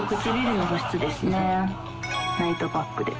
ナイトパックで。